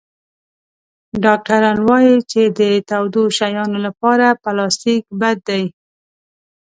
ډاکټران وایي چې د تودو شیانو لپاره پلاستيک بد دی.